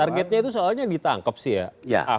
targetnya itu soalnya ditangkap sih ya